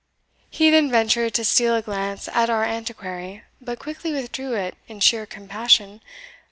He then ventured to steal a glance at our Antiquary, but quickly withdrew it in sheer compassion.